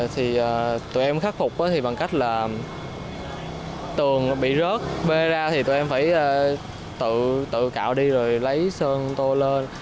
thì tụi em khắc phục thì bằng cách là tường nó bị rớt bê ra thì tụi em phải tự cạo đi rồi lấy sơn tô lên